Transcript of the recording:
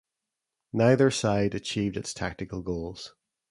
Neither side achieved its tactical goals.